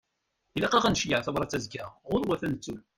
Ilaq-aɣ ad nceyyeε tabrat-a azekka, ɣurwat ad nettut.